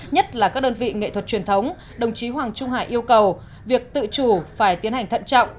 nhất là các đơn vị nghệ thuật truyền thống đồng chí hoàng trung hải yêu cầu việc tự chủ phải tiến hành thận trọng